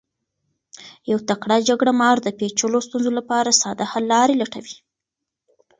یو تکړه جرګه مار د پیچلو ستونزو لپاره ساده حل لارې لټوي.